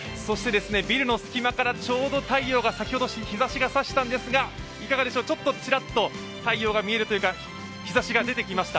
ビルの隙間からちょうど太陽が先ほど、日ざしが差したのですが、ちょっとチラッと太陽が見えるというか、日ざしが出てきました。